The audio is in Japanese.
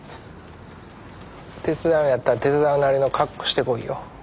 手伝うんやったら手伝うなりの格好してこいよ。